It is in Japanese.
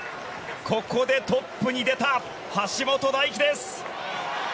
ここでトップに出た橋本大輝です！